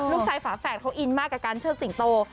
ฝาแฝดเขาอินมากกับการเชิดสิงโต